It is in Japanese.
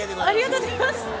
ありがとうございます。